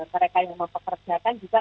mereka yang memperkerjakan juga